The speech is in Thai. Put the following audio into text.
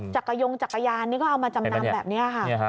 จักรยูงจักรยานก็เอามาจำนำแบบเนี่ยนะครับ